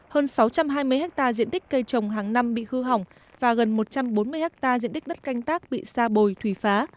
hơn sáu trăm hai mươi hectare diện tích cây trồng hàng năm bị hư hỏng và gần một trăm bốn mươi ha diện tích đất canh tác bị xa bồi thủy phá